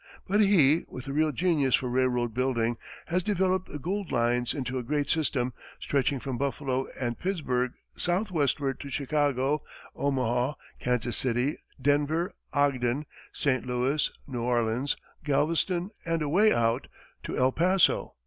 But he, with a real genius for railroad building, has developed the Gould lines into a great system stretching from Buffalo and Pittsburgh southwestward to Chicago, Omaha, Kansas City, Denver, Ogden, St. Louis, New Orleans, Galveston and away out to El Paso.